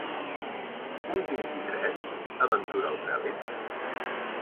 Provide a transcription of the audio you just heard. Un vint-i-tres? —aventura el Fèlix.